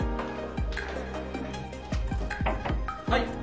はい。